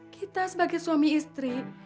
kita sebagai suami istri